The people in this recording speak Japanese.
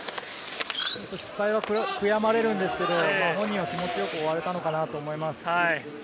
失敗は悔やまれるんですが、本人は気持ち良く終われたのかなと思います。